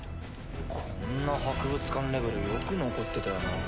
こんな博物館レベルよく残ってたよな。